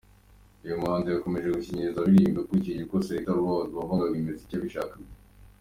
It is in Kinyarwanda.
Uyu muhanzi yakomeje gushinyiriza aririmba akurikije uko Selector Rod, wavangaga imiziki, yabishakaga.